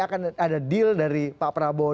akan ada deal dari pak prabowo